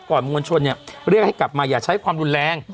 มวลชนเนี่ยเรียกให้กลับมาอย่าใช้ความรุนแรง